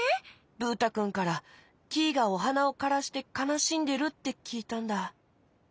ブー太くんからキイがおはなをからしてかなしんでるってきいたんだ。